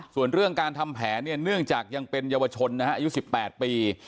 ส่วนเรื่องการทำแผนเนี่ยเนื่องจากยังเป็นเยาวชนนะฮะอายุ๑๘ปี